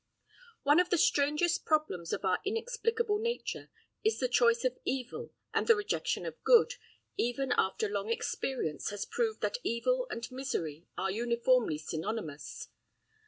One of the strangest problems of our inexplicable nature is the choice of evil and the rejection of good, even after long experience has proved that evil and misery are uniformly synonymous.